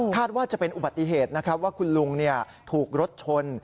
ว่าจะเป็นอุบัติเหตุนะครับว่าคุณลุงถูกรถชน